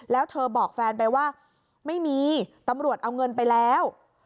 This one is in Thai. แล้วเธอบอกแฟนไปว่าไม่มีตำรวจเอาเงินไปแล้ว